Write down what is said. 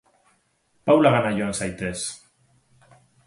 Paulagana joan zaitez.